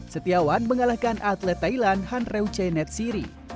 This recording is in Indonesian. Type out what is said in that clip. setiawan mengalahkan atlet thailand hanryu chenetsiri